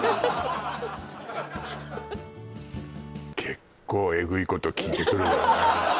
結構エグいこと聞いてくるわね